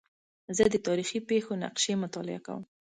زه د تاریخي پېښو نقشې مطالعه کوم.